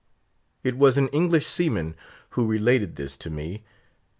It was an English seaman who related this to me.